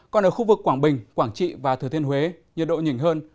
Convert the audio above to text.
còn ở khu vực quảng bình quảng trị và thừa thiên huế nhiệt độ nhìn hơn